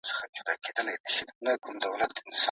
ایا د هېوادونو پرمختګ یوازي په پانګه پورې تړلی دی؟